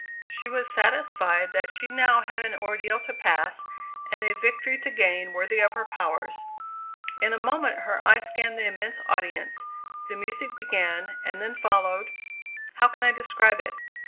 She was satisfied that she now had an ordeal to pass and a victory to gain worthy of her powers. In a moment her eye scanned the immense audience, the music began and then followed how can I describe it?